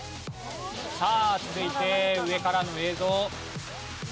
さあ続いて上からの映像。